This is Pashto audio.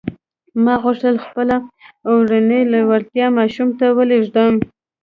ما غوښتل خپله اورنۍ لېوالتیا ماشوم ته ولېږدوم